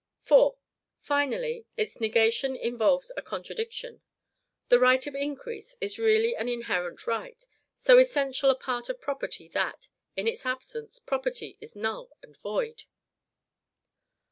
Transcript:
4. Finally, its negation involves a contradiction. The right of increase is really an inherent right, so essential a part of property, that, in its absence, property is null and void.